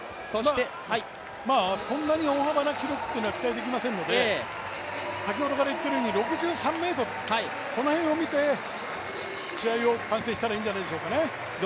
そんなに大幅な記録というのは期待できませんので先ほどから言っているように６３ｍ、この辺を見て試合を観戦したらいいんじゃないでしょうか。